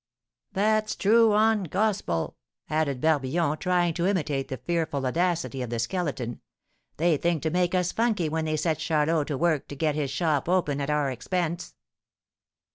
"That's true, on Gospel!" added Barbillon, trying to imitate the fearful audacity of the Skeleton; "they think to make us funky when they set Charlot to work to get his shop open at our expense."